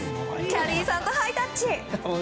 キャディーさんとハイタッチ。